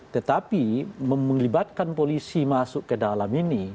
tetapi melibatkan polisi masuk ke dalam ini